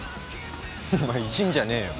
お前いじんじゃねえよ。